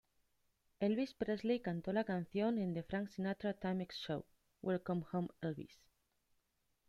Elvis Presley cantó la canción en The Frank Sinatra Timex Show: Welcome Home Elvis.